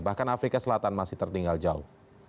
bahkan afrika selatan masih tertinggal jauh